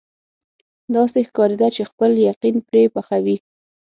داسې ښکارېده چې خپل یقین پرې پخوي.